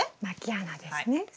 まき穴ですね。